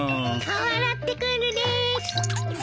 顔洗ってくるです。